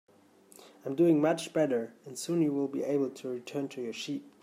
I'm doing much better, and soon you'll be able to return to your sheep.